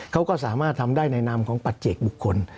เขาก็สามารถทำได้ในนามของปัจเจกบุคคล